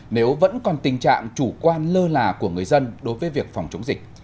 nếu vẫn còn tình trạng chủ quan lơ là của người dân đối với việc phòng chống dịch